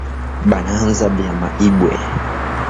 Banaanza bya ma ibwe